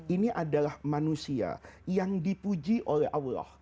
ini adalah manusia yang dipuji oleh allah